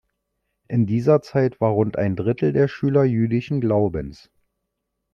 In dieser Zeit war rund ein Drittel der Schüler jüdischen Glaubens.